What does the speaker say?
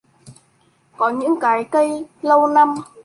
Có những cái cây lâu năm